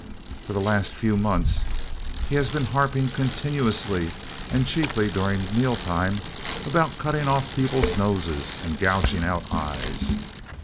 For the last few months he has been harping continuously, and chiefly during meal times, about cutting off people's noses and gouging out eyes.